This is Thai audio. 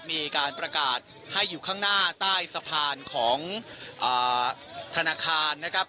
มีการประกาศให้อยู่ข้างหน้าใต้สะพานของธนาคารนะครับ